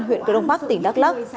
huyện cơ đông bắc tỉnh đắk lắc